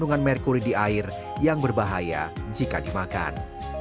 kerang dapat menyerap kandungan merkuri di air yang berbahaya jika dimakan